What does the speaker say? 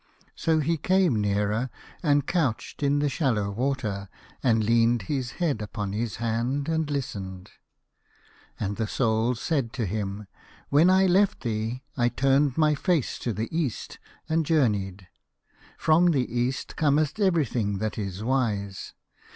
So he came nearer, and couched in the shallow water, and leaned his head upon his hand and listened. And the Soul said to him, " When I left thee I turned my face to the East and journeyed. From the East cometh every thing that is wise.